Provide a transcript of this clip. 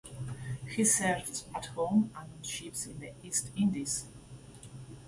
He served at home and on ships in the East Indies.